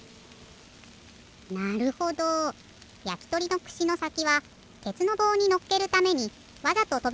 なるほどやきとりのくしのさきはてつのぼうにのっけるためにわざととびださせてたんだ。